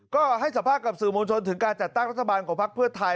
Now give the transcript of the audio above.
ก็ให้สัมภาษณ์กับสื่อมวลชนถึงการจัดตั้งรัฐบาลของพักเพื่อไทย